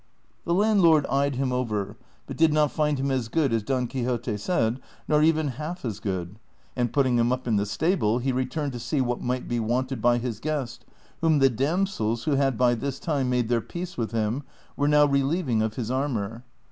The land lord eyed him over, but did not find him as good as Don Quixote said, nor even half as good, and putting him up in the stable, he returned to see what jnight be wanted by his guest, whom the damsels, who had by this time made their peace with him, were now relieving of his armor.